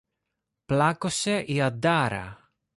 Πλάκωσε η αντάρα!